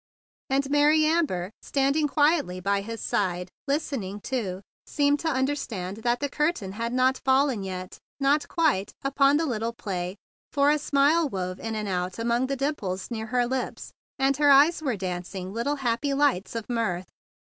And Mary Amber, standing quietly by his side, listening too, seemed to understand that the curtain had not fallen yet, not quite, upon the little play; for a smile wove in and out among the dimples near her lips, and her eyes were dancing little happy lights of mirth.